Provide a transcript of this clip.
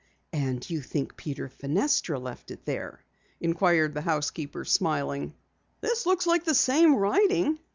"And you think Peter Fenestra left it there?" inquired the housekeeper, smiling. "This looks like the same writing."